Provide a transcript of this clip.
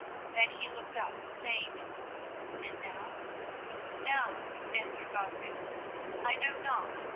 Then he looked up, saying: "And now?" "Now," answered Godwin, "I know not.